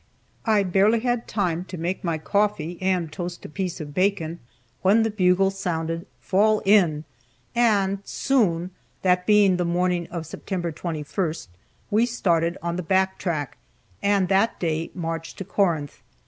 I barely had time to make my coffee and toast a piece of bacon when the bugle sounded "Fall in!" and soon (that being the morning of September 21st) we started on the back track, and that day marched to Corinth.